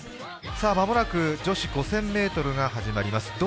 間もなく女子５０００ｍが始まります。